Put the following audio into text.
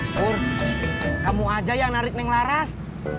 mas kamu aja yang narik neng laras